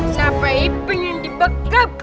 siapa iping yang dibekap